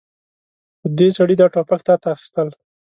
خو دې سړي دا ټوپک تاته اخيستل.